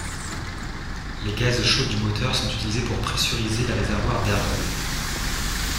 Les gaz chauds du moteur sont utilisés pour pressuriser les réservoirs d'ergols.